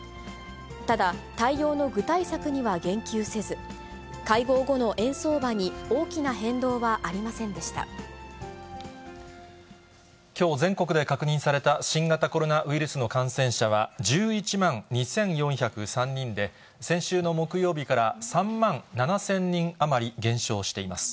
ただ、対応の具体策には言及せず、会合後の円相場に大きな変動はあきょう、全国で確認された新型コロナウイルスの感染者は１１万２４０３人で、先週の木曜日から３万７０００人余り減少しています。